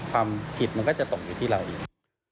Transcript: ความผิดมันก็จะตกอยู่ที่เราอีก